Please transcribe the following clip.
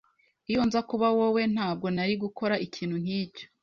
Iyo nza kuba wowe, ntabwo nari gukora ikintu nkicyo.